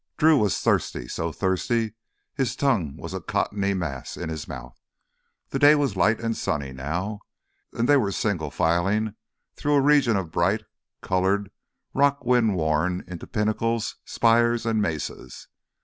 Drew was thirsty, so thirsty his tongue was a cottony mass in his mouth. The day was light and sunny now, and they were single filing through a region of bright, colored rock wind worn into pinnacles, spires, and mesas.